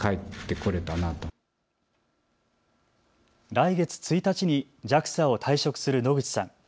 来月１日にＪＡＸＡを退職する野口さん。